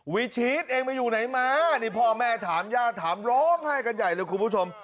วิชีสเองไปอยู่ไหนมานี่พ่อแม่ถามญาติถามร้องไห้กันใหญ่เลยคุณผู้ชม